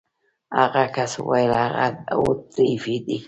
هغه کس وویل: هو ضعیفې دي.